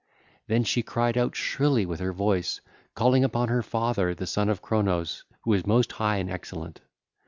Then she cried out shrilly with her voice, calling upon her father, the Son of Cronos, who is most high and excellent.